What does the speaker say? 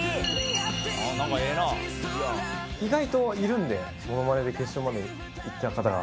意外といるんでモノマネで決勝まで行った方が。